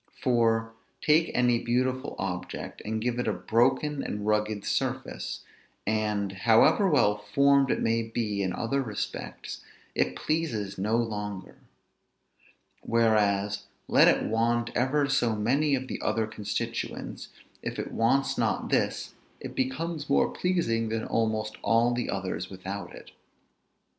For, take any beautiful object, and give it a broken, and rugged surface; and, however well formed it may be in other respects, it pleases no longer. Whereas, let it want ever so many of the other constituents, if it wants not this, it becomes more pleasing than almost all the others without it.